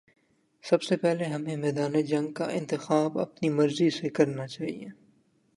سب سے پہلے ہمیں میدان جنگ کا انتخاب اپنی مرضی سے کرنا چاہیے۔